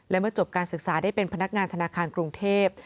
และเมื่อจบการศึกษาได้เป็นพนักงานธนาคารกรุงเทพ